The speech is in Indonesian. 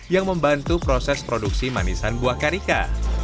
yang membantu proses produksi manisan buah karika